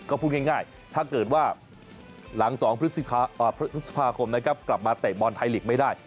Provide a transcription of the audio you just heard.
ก็พูดง่ายถ้าเกิดว่าหลัง๒พฤษภาคมนะครับกลับมาเตะบอลไทยลีกไม่ได้